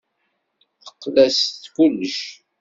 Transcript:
Teqqel-as d kullec.